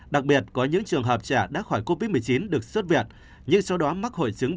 đặc biệt có những trường hợp trẻ đã khỏi covid một mươi chín được xuất viện nhưng sau đó mắc hội chứng